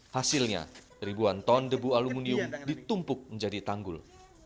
hasilnya ribuan ton debu aluminium ditumpuk menjadi tanggul